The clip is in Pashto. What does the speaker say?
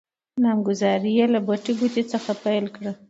نامګذارې يې له بټې ګوتې څخه پیل کړل.